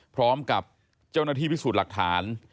พร้อมกับเจ้าหน้าที่พิสูจน์หลักฐาน